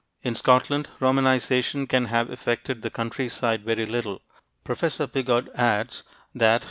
In Scotland, Romanization can have affected the countryside very little. Professor Piggott adds that